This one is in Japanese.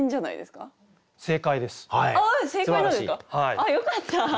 あっよかった！